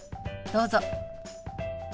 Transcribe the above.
どうぞ。